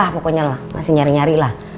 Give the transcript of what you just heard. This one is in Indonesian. pokoknya lah masih nyari nyari lah